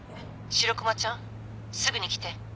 白熊ちゃんすぐに来て。